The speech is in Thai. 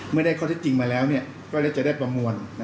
ไม่ได้ข้อที่จริงมาแล้วก็ได้ประมวล๙๘๙๙๐